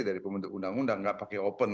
dari pembentuk undang undang nggak pakai open